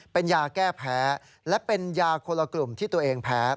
เป็นยาแก้แพ้และเป็นยาคนละกลุ่มที่ตัวเองแพ้